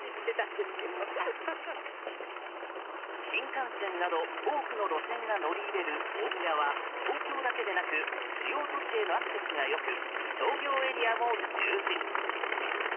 新幹線など多くの路線が乗り入れる大宮は東京だけでなく主要都市へのアクセスが良く商業エリアも充実。